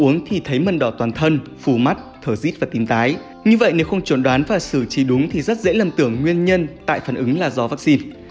như vậy nếu không chuẩn đoán và xử trí đúng thì rất dễ lầm tưởng nguyên nhân tại phản ứng là do vaccine